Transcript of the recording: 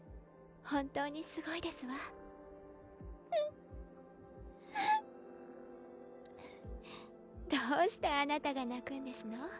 本当にすごいですわうんうん！どうしてあなたが泣くんですの？